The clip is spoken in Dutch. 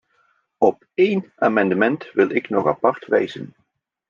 Op één amendement wil ik nog apart wijzen.